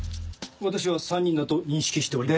私は３人だと認識して。